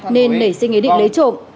nên nảy sinh ý định lấy trộm